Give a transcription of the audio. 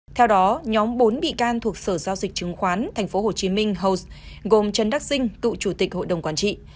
theo đó nhóm bốn bị can thuộc sở giao dịch chứng khoán tp hcm house gồm trần đắc sinh cựu chủ tịch hội đồng quản trị